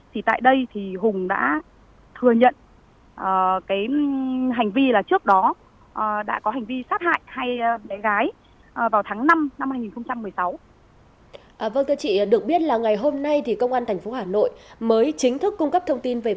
hãy đăng ký kênh để ủng hộ kênh của mình nhé